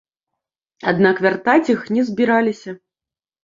Аднак вяртаць іх не збіраліся.